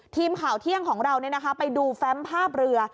ทีมข่าวเที่ยงของเราไปดูแฟมภาพเรือ